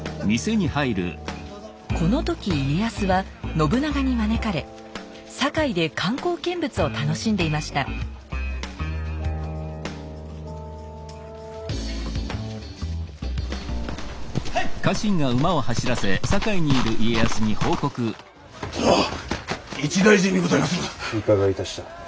この時家康は信長に招かれ堺で観光見物を楽しんでいましたはいっ！殿！